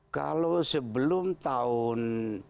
kalau sebelum tahun dua ribu tiga belas